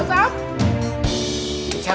jangan disicipi tau sam